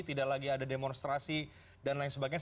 tidak lagi ada demonstrasi dan lain sebagainya